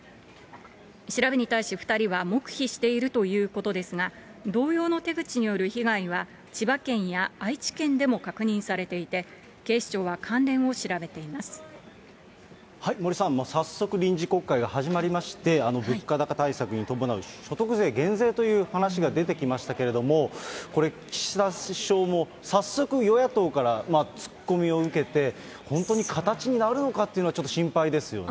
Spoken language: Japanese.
調べに対し、２人は黙秘しているということですが、同様の手口による被害は千葉県や愛知県でも確認されていて、警視森さん、早速、臨時国会が始まりまして、物価高対策に伴う所得税減税という話が出てきましたけれども、これ、岸田首相も早速与野党から突っ込みを受けて、本当に形になるのかっていうのはちょっと心配ですよね。